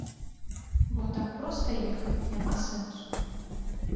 Бо так проста ехаць няма сэнсу.